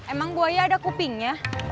emang buaya ada kupingnya